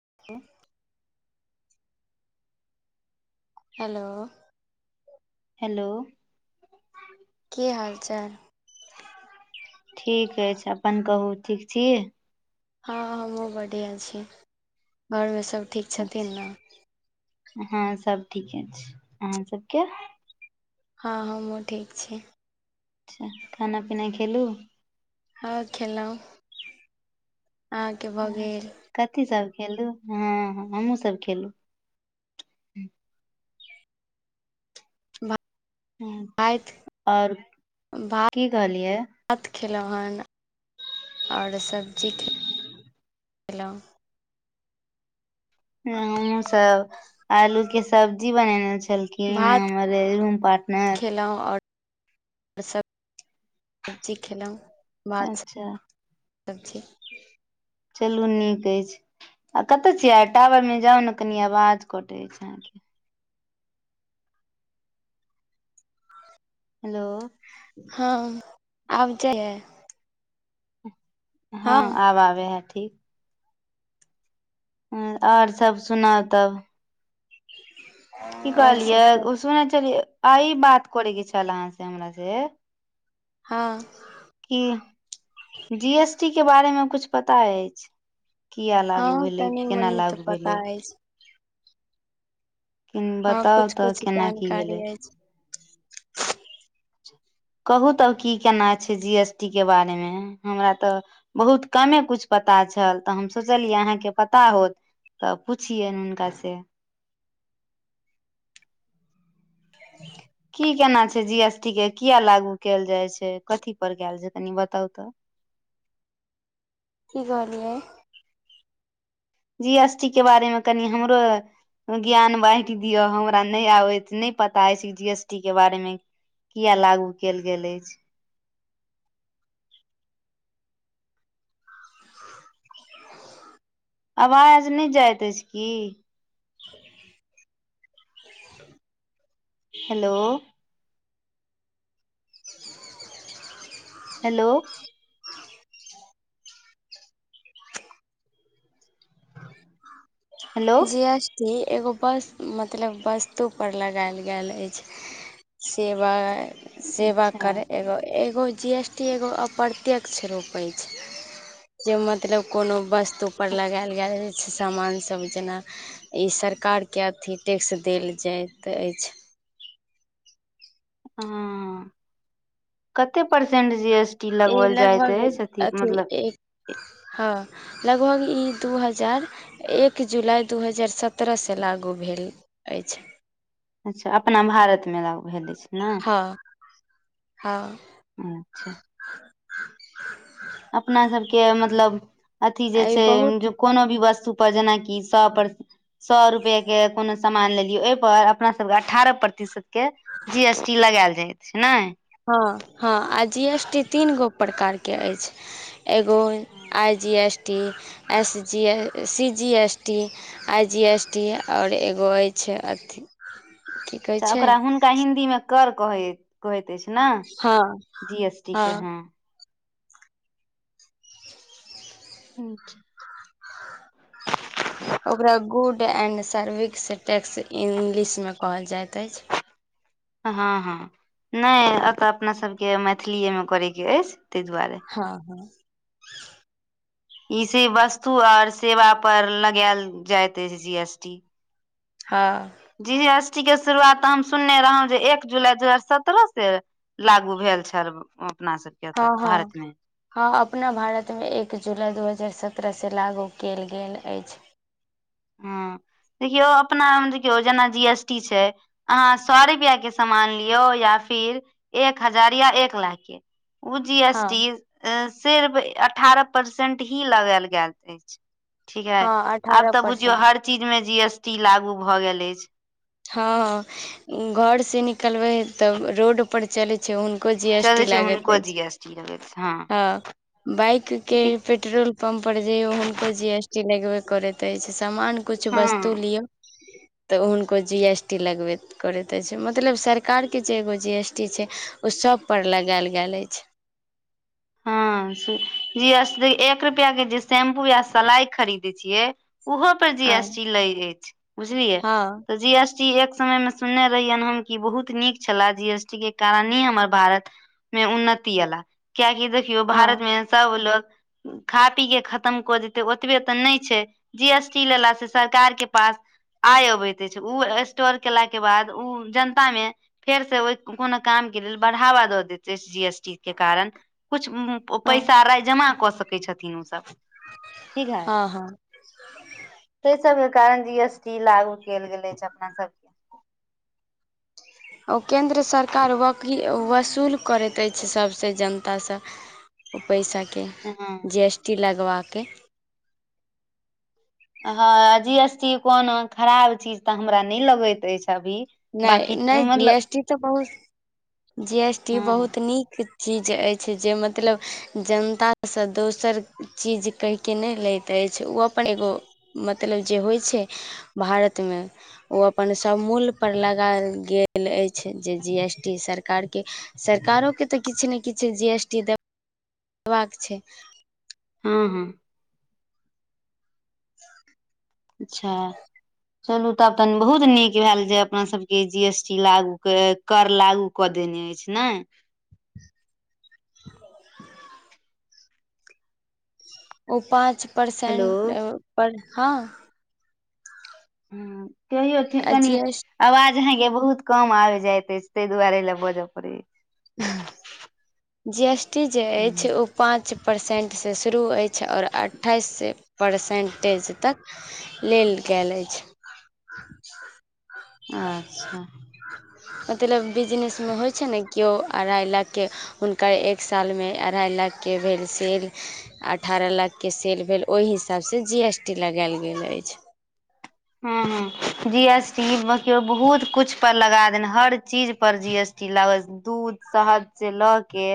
[inaudible] Hello hello कि हाल चाल? ठीक अछि अपन कहू ठीक छी? हँ हमहुँ बढ़िआ छी घरमे सब ठीक छथिन अच्छा ने? हँ सब ठीके अईछ अहाँ सबके? हँ हमहुँ ठीक छी। अच्छा खाना पीना खेलहुँ? हँ खेलौ अहाँके भऽ अच्छा गेल? कथी सब खेलु? हँ हमहहुँ सब खेलु। भात अच्छा आओर की कहलियै? भात खयेलहुँ हन आओर सब्जी ख खेलौ। ह हमहुँ सब आलूके सब्जी बनेने छलखिन भात हमरे रूम पार्टनर। खेलहुँ आओर सभ सब्जी खेलहुँ भात सब्जी। अच्छा सबजी चलू नीक अइछ आ कतय छीयै आ टावर में जाउ नऽ कनि आवाज कटे अछि अहाँके। हेलो हँ आब जाय या? हँ आबय हैऽ ठीक। हँ आओर सब सुनाउ तब। की आओर सब कहलियए सब ओ सुने छलियै आइ बात करेके छैल अहाँ से हमरा से। हँ क जी एस टी के बारे मे कुछ पता अछि? किया लागू हँ भेलै कनि केना मनि तऽ लागू पता भेलै? अछि कि हँ बताउ कुछ तऽ कुछ केना की भेलै? जानकारी अछि कहू तब की केना छैय जी एस टी के बारे मे हमरा तऽ बहुत कमे कुछ पता छल तऽ हम सोचलियै की अहाँके पता होत। तऽ पुछियैन हुनका से। [unintelligible] की केना छैय, जी एस टी के किया लागू कैल जाय छैय, कथी पर कैल छैय? कनि बताउ तऽ। की कहलियै? जी एस टी के बारेमे कनि हमरो ज्ञान बाँटि दियअ हमरा नहि आबैत नहि पता अछि इ जी एस टी के बारेमे। किया लागू कैल गेल अछि? आवाज नै जाइत अछि की? Hello hello hello G S T एगो बस मतलब वस्तु पर लगायल गेल अछि। सेवा सेवा अच्छा कर एग एगो जी एस टी एगो अप्रत्यक्ष रूप अछि जे मतलब कोनो वस्तु [unintelligible] पर लगायएल गेल छैय सामान सब जेना ई सरकारके अथी टैक्स देल जाइत अछि। हँ कते परसेंट जी एस टी ई लगवल जाइत लगभग अछि अथी मतलब एक हँ लगभग ई दू हजार एक जुलाई दू हजार सत्रहसँ लागू भेल अछि। अच्छा अपना भारतमे लागू भेल अछि। ने हँ हँ अच्छा अपना सबके मतलब अथी जे आ ई छैय बहुत [inaudible] कोनो भी वस्तु पर जेनाकि सौ पर सौ रुपएके कोनो सामान लेलियै ओहि पर अपना सबके अठारह प्रतिशतके जी एस टी लगायल जाय छैय नै? हँ हँ आ जी एस टी तीन गो प्रकार के अछि। एगो I G S T S G A C G S T I G S T आओर एगो अछि अथ की कहै चा छै ओकरा हुनका हिन्दीमे कर कहै हैऽ। कहैत अछि नऽ हँ जी एस टी के हँ। अच्छा [unintelligible] ओकरा गुड एंड सर्विस टैक्स इंग्लिशमे कहल जाइत अछि। हँ हँ नै एतऽ अपना सबके मैथिलीएमे करैके अछि तै दुआरे। हँ हँ ई [unintelligible] वस्तु और सेवा पर लगायल जाइत अछि जी एस टी। हँ जी एस टी के शुरुआत तऽ हम सुनने रहौं जे एक जुलाई दू हजार सत्रह से लागू भेल छैल अपना सब हँ हँ हँ अपना भारतमे एक जुलाइ दू हजार सत्रहसँ लागू केल गेल अछ हँ देखियौ अपनामे देखियौ जेना जी एस टी छै अहाँ सौ रुपआ के सामान लियौ या फिर एक हजार या एक लाख केँ ओ जी एस हँ टी सिर्फ अठारह परसेंट ही लगेल गेल अछै ठीक हैऽ हँ अठारह आब तऽ बुझियौ परसेंट हर चीज मे जी एस टी लागू भऽ गेल अछि हँ घर से निकलबै तब रोड पर चले छै हुनको जी एस टी चलै छै लागैत हुनको जी अछि एस टी लगैत छै [inaudible] हँ बाइक केँ पेट्रोल पंप पर जयौ हुनको जी एस टी लगबै करैत अइछ समान कुछ हँ वस्तु लिऔ [inaudible] तऽ हुनको जी एस टी लगबेत करैत अछि मतलब सरकार केँ जे एगो जी एस टी छै ओ सभपर लगायल गैल ऐछ हँ जी एस टी एक रुपआ के जे शैम्पू या सलाइ खरीदे छियै ओहो पर जी हँ एस टी लैग जाय छै बुझलियै हँ तऽ जी एस एक समयमे सुनने रहियनि हम कि बहुत नीक छलै जी एस टी केँ कारणिएं हमर भारत मे उन्नति एला कियाकि देखियौ हँ भारतमे सब लोक खा पी के खतम कऽ देतै ओतबे तऽ नै छै जी एस टी लेलासँ सरकार केँ पास आय अबैत अछि ओ स्टोर केला के बाद ओ जनता मे फेर से ओहि कोनो काम केँ लेल बढ़ावा दऽ देतै जी एस टी केँ कारण कुछ हँ पैसा राय जमा कऽ सकै छथिन ओसभ ठीक है हँ हँ [inaudible] तै सबके कारण जी एस टी लागू कैल गेल अइछ अपना सब केँ ओ केन्द्र सरकार वकी वसूल करैत अछि सभसँ जनतासँ ओ पैसा केँ उ हाँ जी एस टी लगबा केँ हँ जी एस टी कोनो खराब चीज तऽ हमरा नै लगैत अछि अभी नहि बाकी नहि जी मतलब एस टी तऽ बहुत जी एस टी हँ बहुत नीक चीज अइछ जे मतलब जनतासँ दोसर चीज कहि केँ नहि लैत अछि ओ अपन एगो मतलब जे होइ छै भारतमे ओ अपन सब मूल पर लगा गेल ऐछ जे जी एस टी सरकार के सरकारो के तऽ किछ ने किछ जी एस टी दे दबाक छै [unintelligible] [inaudible] अच्छ चलू तब तन बहुत नीक भैल जे अपना सब के जी एस टी लागू कर लागू क देने अछि ऐछ नै [inaudible] ओ पाँच हेलो परसेंट पर हँ [inaudible] कहैथी तनी जी एस आवाज अहाँ केँ बहुत कम आबि जाइत अछि तार दुआरे ले बजय पड़े जी एस टी जे अइछ अछि ओ पाँच परसेंटसँ शुरू अछि आओर अठाइस परसेन्टेज तक लेल गैल अछि अच्छा मतलब बिजनेस मे होइ छै नऽ कियो अढ़ाइ लाखके हुनकर एक सालमे अढ़ाइ लाखके भेल सेल अठारह लाखके सेल भेल ओहि हिसाबसँ जी एस टी लगैल गेल अछि ह ह जी एस टी बहुत कुछ पर लगा देने हर चीज पर जी एस टी लागल। दूध शहद सऽ लऽ के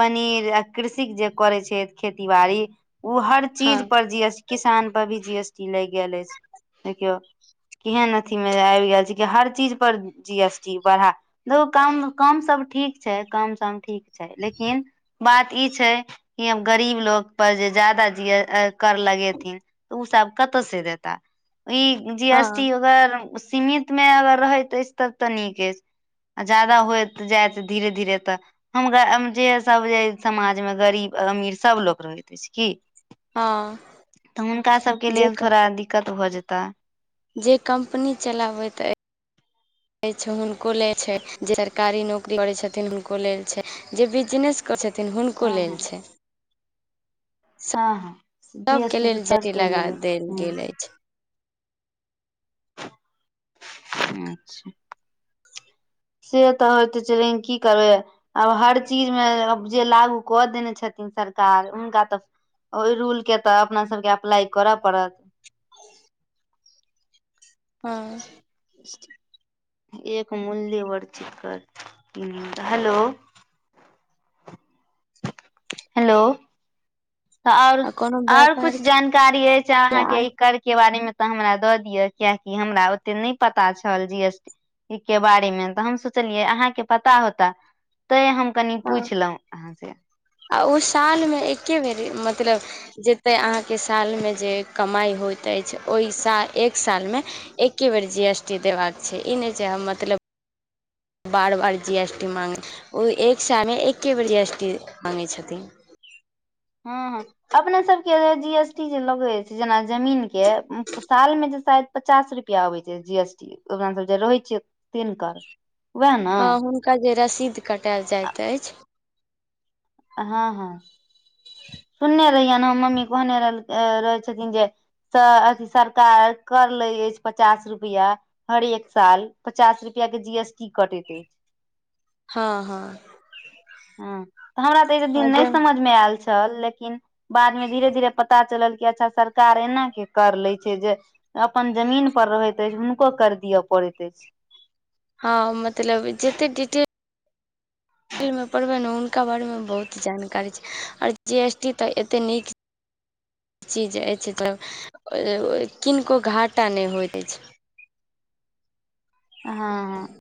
पनीर आ कृषिक जे करै छै खेती बाड़ी ओ हर हँ चीज पर जी एस टी किसान पर भी जी एस टी लागि गेल अछि देखियौ केहन अथि मे आबि गेल छै कि हर चीज पर जी एस टी बढ़ा घूऽ काम काम सब ठीक छै काम समा ठीक छै लेकिन बात ई छै कि हम गरीब लोग पर जे ज्यदा जिय कर लगेथिन तऽ ओसब कतऽ सऽ देतऽ ई जी हँ एस टी अगर सीमित मे अगर रहैत अछि तब तऽ नीक अछि आ ज्यादा होयत जायत धीरे धीरे तऽ हम ग जे सभ जे समाजमे गरीब अमीर सभ लोक रहैत अछि की हँ तऽ हुनका सबके जे लेल थोड़ा दिक्कत भऽ जेताऽ जे कम्पनी चलाबैत अछि हुनको लेल छै जे सरकारी नौकरी करैत छथिन हुनको लेल छै जे बिजनेस करै छथिन हुनको हँ लेल हँ छै हँ हँ जी एस सभके टी त लेल सब जटी कऽ लगा लेल देल ह। गेल अछि [unintelligible] [unintelligible] से तऽ होयत छै लेकिन की करबै। आब हर चीजमे जे लागू कऽ देने छथिन सरकार हुनका तऽ। ओहि रूल कऽ तऽ अपना सबके अप्लाई करऽ पड़त। हँ। एक मूल्य वरजित कर हेलो। हेलो आओर आ कोनो आओर व्यापार कुछ जानकारी अछि के अहाँके। आस्था कर के बारे मे तऽ हमरा दऽ दिअ कियकि हमरा ओते नहि पता छल जी एस टी। ई के बारे मे तऽ हम सोचलियै अहाँके पता होताऽ तैं हम कनि पुछलहुँ अहाँ से। आ ओ सालमे एके बेर मतलब। जतय अहाँके सालमे जे कमाइ होइत अछि ओहि साल एक सालमे। एके बेर जी एस टी देबाक छै ई ने छै हम मतलब। बार बार जी एस टी मागै ओ एक सालमे एक्के बेर जी एस टी मागै छथिन। हँ हँ अपने सबके जे जी एस टी जे लगै छै जेना जमीन के। साल मे जे शायद पचास रुपआ अबै छै जी एस टी अपना सब जे रहै छियै तीनकर। ह हुनका जे रसीद कटायल जाइत अछि। हँ हँ सुनने रहिय ने हम मम्मी कहने रहल रहै छथिन जे। त अथी सरकार कर ले अछि पचास रुपिया। हरेक साल पचास रुपिया के जी एस टी कटैत अछि। हँ हँ। हँ तऽ हमरा तऽ ऐतय हँ दिन जे नहि समझ मे आयल छै। छल लेकिन बादमे धीरे धीरे पता चलल कि अच्छा सरकार एना के कर ले छैय जे अपन जमीन पर रहैत अछि हुनको कर दियअ पड़ैत अछि। हँ मतलब जेतेक डिटेल डिटेलमे पढ़बै ने हुनका बारेमे बहुत जानकारी छैय आओर जी एस टी तऽ एतेक नीक चीज अछि तऽ किनको घाटा नहि होइत अछि। हँ हँ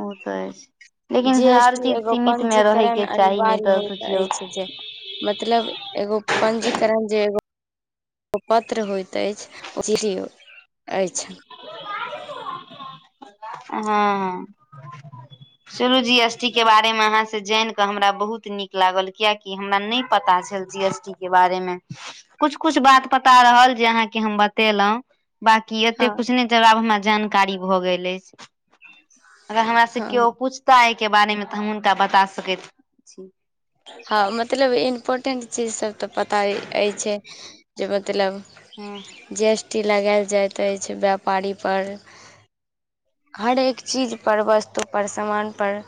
ओ तऽ अछि। लेकिन जी एस हर टी चीज एगो सीमित मे रहै पंजीकरण के चाही नहि अनिवार्य तऽ होइत सोचियौ अछि जे मतलब एगो पंजीकरण जे एगो ओ पत्र होइत अछि सिढ़ [unintelligible] अछि। [inaudible] हँ चलू जी एस टी के बारे मे अहाँ सऽ जैन के हमरा बहुत नीक लागल कियाकि हमरा नै पता छल जी एस टी के बारे मे कुछ कुछ बात पता रहल जे अहाँके हम बतेलहुं। बाकी एते हँ कुछ नहि ज आब हमरा जानकारी भऽ गेल अछि। अगर हमरा से हँ कियो पूछता एहि के बारे मे तऽ हम हुनका बता सकैत छी। हँ मतलब इम्पोर्टेंट चीजसभ तऽ पता अइछे जे मतलब हूं जी एस टी लगायल जाइत अछि व्यापारी पर। हर एक चीज पर वस्तु पर सामान पर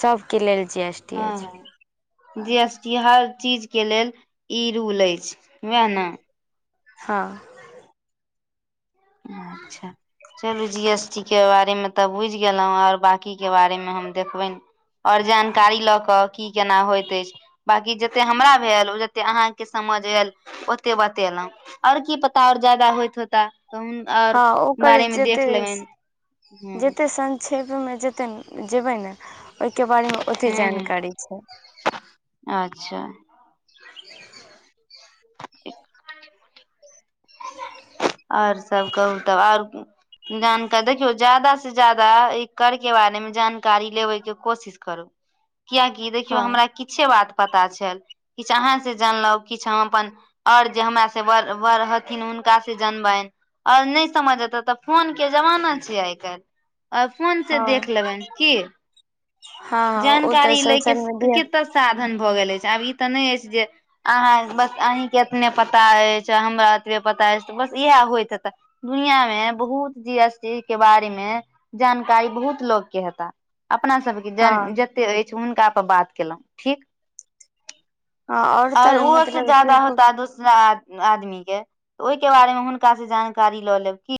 सबके लेल जी एस टी। हँ अछि हँ जी एस टी हर चीज के लेल ई रूल अछि वैह नऽ? हँ अच्छा चलू जी एस टी के बारेमे तऽ बुझि गेलहुँ आओर बकी के बारेमे हम देखबैन। और जानकारी लऽ कऽ की केना होइत अछि। बाकी जेते हमरा भेल ओ जते अहाँके समझ एल ओते बतेलहुँ आओर की पता आओर जादा होइत होता त हँ ओकरे जते हूँ जते सं क्षेपमे जते जेबै ने ओहिके बारेमे ओते हूँ हूँ जानकारी छैय। अच्छा [inaudible] एक [unintelligible] [inaudible] आओर सब कहू तब आओर जानकार देखियौ जादा से जादा अइ करके बारेमे जानकारी लेबै के कोशिश करू कियाकि देखियौ हँ हमरा किछे बात पता छैल। किछ अहाँ से जानलहु किछ हम अपन आऔर जे हमरा सेड़ हथिन हुनका से से जानबैनि आओर नहि समझ एते तऽ फोन के जमाना छैय आइ काल्हि। आओर फोन से हँ देख लेबनि की। हँ हँ ओ तऽ जानकारी लै के सोशल मीडिया कतऽ साधन भऽ गेल अछि आब ई तऽ नहि अछि जे अहाँ बस अहीं के अपने पता अछि हमरा एतबे पता अछि बस इएह होयइत हेतऽ। दुनियामे बहुत जी एस टी के बारे मे जानकारी बहुत लोगके हेता। अपनासभके हँ जन जतेक अछि हुनकापर बात कयलहुँ ठीक। हँ आओर तऽ उहो सऽ मतलब ज्यादा किनको होता दूसरा आदमीके त ओहिके बारे मे हुनका से जानकारी लऽ लेब की।